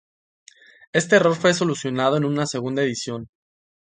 Este error fue solucionado en una segunda edición.